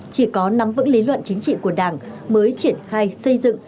chỉ có nắm vững lý luận chính trị của đảng mới triển khai xây dựng